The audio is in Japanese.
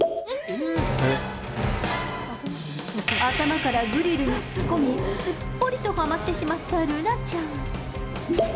頭からグリルに突っ込み、すっぽりとはまってしまったルナちゃん。